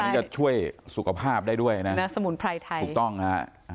นี่จะช่วยสุขภาพได้ด้วยนะสมุนไพรไทยถูกต้องฮะ